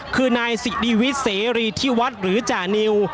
คือนายศิษย์ดีวิเศษรีธิวัฒน์หรือจานิว